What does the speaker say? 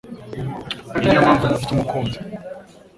Iyi niyo mpamvu ntafite umukunzi.